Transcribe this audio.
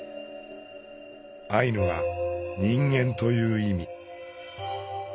アイヌは「人間」という意味。